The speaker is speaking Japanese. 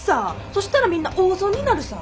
そしたらみんな大損になるさ。